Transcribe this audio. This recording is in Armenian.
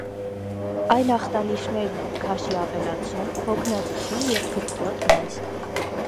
Այլ ախտանիշներն են՝ քաշի ավելացում, հոգնածություն և փրփրոտ մեզ։